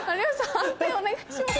判定お願いします。